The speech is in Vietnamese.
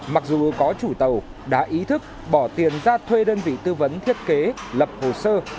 mặc dù có chủ tàu đã ý thức bỏ tiền ra thuê đơn vị tư vấn thiết kế lập hồ sơ